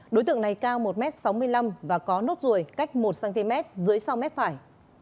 đối tượng này cao một m sáu mươi năm và có nốt ruồi cách một cm dưới sau mép phải